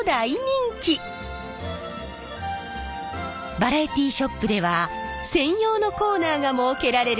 バラエティーショップでは専用のコーナーが設けられるほど。